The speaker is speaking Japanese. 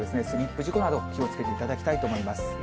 スリップ事故など、気をつけていただきたいと思います。